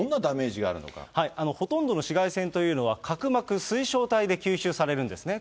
ほとんどの紫外線というのは、角膜・水晶体で吸収されるんですね。